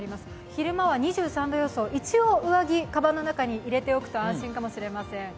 昼間は２３度予想、一応、上着、かばんの中に入れておくと安心かもしれません。